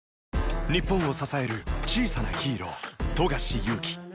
日本を支える小さなヒーロー富樫勇樹